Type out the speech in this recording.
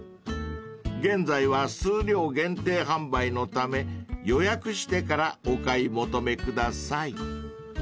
［現在は数量限定販売のため予約してからお買い求めください］